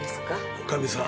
女将さん。